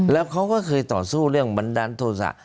แล้วเขาก็เคยต่อสู้เรื่องบันดาลโทษะ